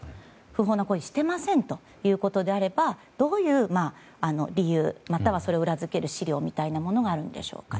不法な行為をしてませんということであればどういう理由またはそれを裏付ける資料みたいなものがあるんでしょうか。